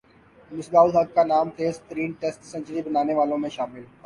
مصباح الحق کا نام تیز ترین ٹیسٹ سنچری بنانے والوںمیں شامل